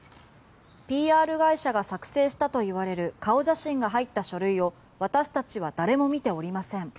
ＰＲ会社が作成したと言われる顔写真が入った書類を私達は誰も見ておりません